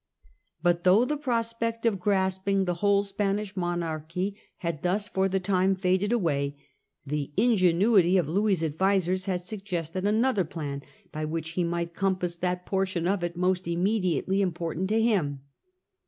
But though the prospect of grasping the whole Spanish monarchy had thus for the time faded away, the Louis claims ingenuity of Louis's advisers had suggested Countries an °th er pl an by which he might compass The jus de that portion of it most immediately important volutionis. to him.